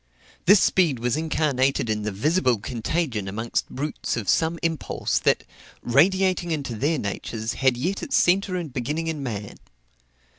This speed was incarnated in the visible contagion amongst brutes of some impulse, that, radiating into their natures, had yet its centre and beginning in man.